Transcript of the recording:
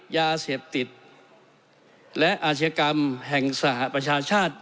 ยาเสพติดและอาชญากรรมแห่งสหประชาชาติ